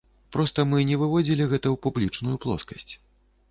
Проста мы не выводзілі гэта ў публічную плоскасць.